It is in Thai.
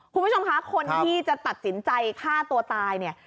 คุณผู้ชมคะคนที่จะตัดสินใจฆ่าตัวตายเนี่ย